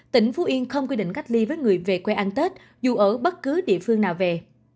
tỉnh phú yên không quy định cách ly với người về quê ăn tết dù ở bất cứ địa phương nào về